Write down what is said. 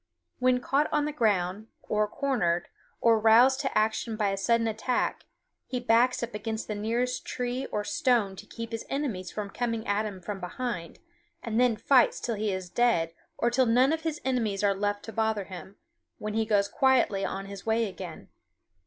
When caught on the ground, or cornered, or roused to action by a sudden attack, he backs up against the nearest tree or stone to keep his enemies from getting at him from behind, and then fights till he is dead or till none of his enemies are left to bother him, when he goes quietly on his way again.